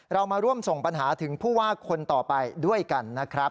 เรามาร่วมส่งปัญหาถึงผู้ว่าคนต่อไปด้วยกันนะครับ